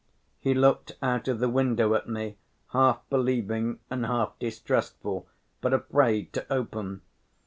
He looked out of the window at me, half believing and half distrustful, but afraid to open.